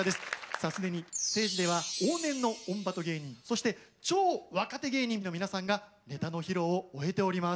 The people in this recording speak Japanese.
さあすでにステージでは往年のオンバト芸人そして超若手芸人の皆さんがネタの披露を終えております。